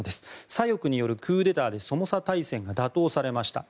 左翼によるクーデターでソモサ体制が打倒されました。